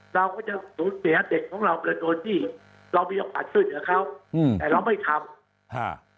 เราก็จะปิดให้เด็กของเรามีความช่วยเจอเขาแต่เราไม่ทำ